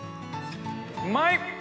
うまい！